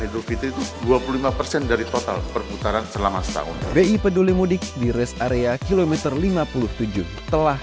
idul fitri itu dua puluh lima persen dari total perputaran selama sahur bi peduli mudik di rest area kilometer lima puluh tujuh telah